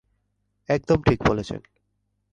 একদম ঠিক বলছেন।